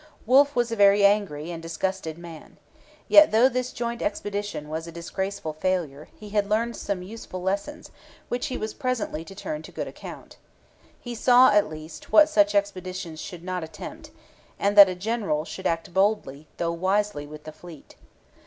Wolfe was a very angry and disgusted man. Yet, though this joint expedition was a disgraceful failure, he had learned some useful lessons, which he was presently to turn to good account. He saw, at least, what such expeditions should not attempt; and that a general should act boldly, though wisely, with the fleet.